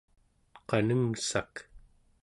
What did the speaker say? qanengssak